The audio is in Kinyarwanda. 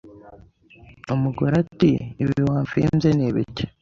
umugore ati Ibi wamfinze ni ibiki